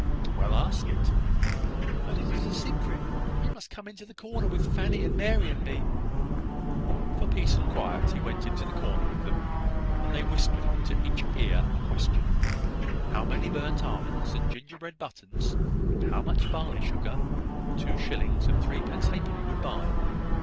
"Well, ask it." "But it is a secret. You must come into the corner with Fanny, and Mary, and me." For peace and quiet he went into the corner with them, and they whispered into each ear a question, how many burnt almonds and gingerbread buttons, and how much barley sugar, two shillings and threepence halfpenny would buy?